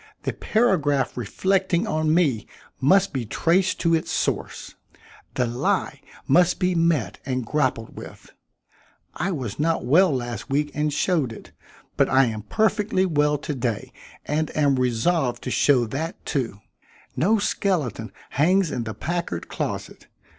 The paragraph reflecting on me must be traced to its source. The lie must be met and grappled with. I was not well last week and showed it, but I am perfectly well to day and am resolved to show that, too. No skeleton hangs in the Packard closet.